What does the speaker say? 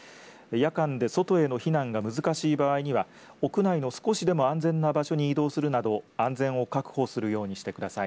夜間で外への避難が難しい場合には屋内の少しでも安全な場所に移動するなど安全を確保するようにしてください。